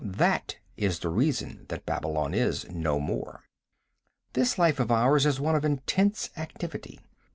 That is the reason that Babylon is no more. This life of ours is one of intense activity.